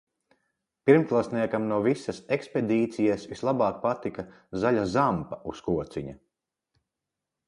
Pirmklasniekam no visas ekspedīcijas vislabāk patika zaļa "zampa" uz kociņa.